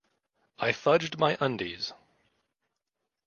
I Fudged My Undies!